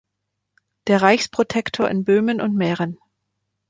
Der Reichsprotektor in Böhmen und Mähren.